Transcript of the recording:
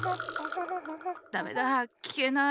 ダメだ。きけない。